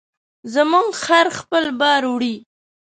زموږ خر خپل بار وړي.